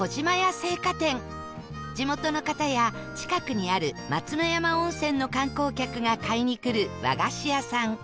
地元の方や近くにある松之山温泉の観光客が買いに来る和菓子屋さん